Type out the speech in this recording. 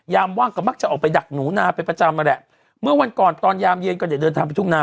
ว่างก็มักจะออกไปดักหนูนาเป็นประจำนั่นแหละเมื่อวันก่อนตอนยามเย็นก็จะเดินทางไปทุ่งนา